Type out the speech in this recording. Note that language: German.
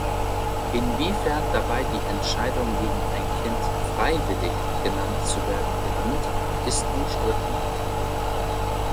Inwiefern dabei die Entscheidung gegen ein Kind „freiwillig“ genannt zu werden verdient, ist umstritten.